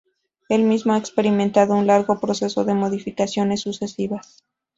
El mismo ha experimentado un largo proceso de modificaciones sucesivas.